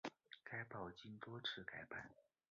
该报经多次改版。